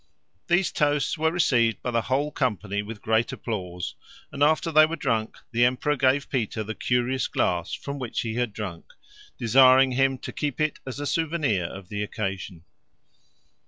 These toasts were received by the whole company with great applause, and after they were drunk the emperor gave Peter the curious glass from which he had drunk, desiring him to keep it as a souvenir of the occasion.